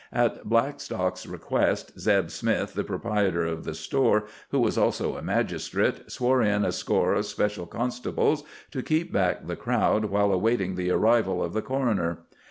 At Blackstock's request, Zeb Smith, the proprietor of the store, who was also a magistrate, swore in a score of special constables to keep back the crowd while awaiting the arrival of the coroner.